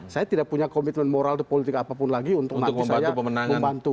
saya tidak punya komitmen moral di politik apapun lagi untuk nanti saya membantu